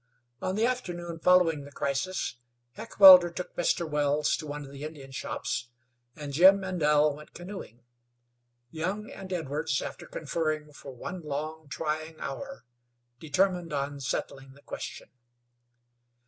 On the afternoon following the crisis Heckewelder took Mr. Wells to one of the Indian shops, and Jim and Nell went canoeing. Young and Edwards, after conferring for one long, trying hour, determined on settling the question.